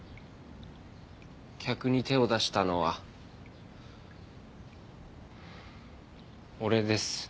客に手を出したのは俺です。